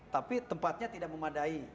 tapi tempatnya tidak memadai